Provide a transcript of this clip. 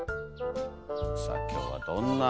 さあ今日はどんな。